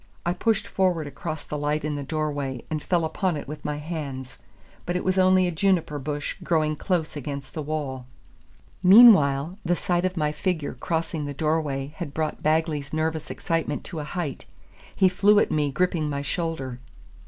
I pushed forward across the light in the door way, and fell upon it with my hands; but it was only a juniper bush growing close against the wall. Meanwhile, the sight of my figure crossing the door way had brought Bagley's nervous excitement to a height: he flew at me, gripping my shoulder.